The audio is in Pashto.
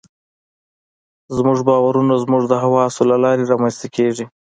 زموږ باورونه زموږ د حواسو له لارې رامنځته کېږي.